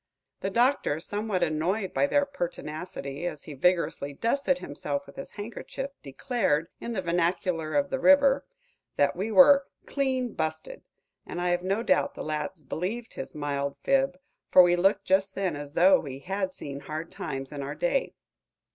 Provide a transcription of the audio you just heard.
The Doctor, somewhat annoyed by their pertinacity as he vigorously dusted himself with his handkerchief, declared, in the vernacular of the river, that we were "clean busted;" and I have no doubt the lads believed his mild fib, for we looked just then as though we had seen hard times in our day.